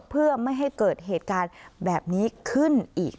เพื่อไม่ให้เกิดเหตุการณ์แบบนี้ขึ้นอีก